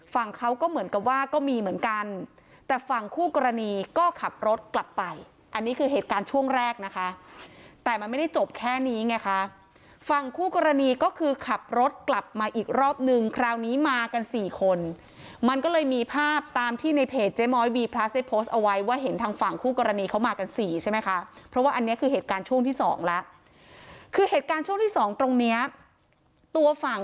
ฝั่งเขาก็เหมือนกับว่าก็มีเหมือนกันแต่ฝั่งคู่กรณีก็ขับรถกลับไปอันนี้คือเหตุการณ์ช่วงแรกนะคะแต่มันไม่ได้จบแค่นี้ไงค่ะฝั่งคู่กรณีก็คือขับรถกลับมาอีกรอบหนึ่งคราวนี้มากันสี่คนมันก็เลยมีภาพตามที่ในเพจเจ๊มอยบีพลัสได้โพสต์เอาไว้ว่าเห็นทางฝั่งคู่กรณีเขามากันสี่ใช่ไหมค่ะเพราะ